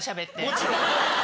もちろん。